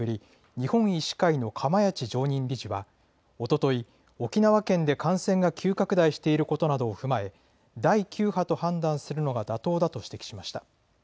日本医師会の釜萢常任理事はおととい、沖縄県で感染が急拡大していることなどを踏まえ第９波と判断するのが妥当だと指摘しました。